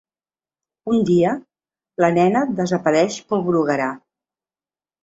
Un dia, la nena desapareix pel bruguerar.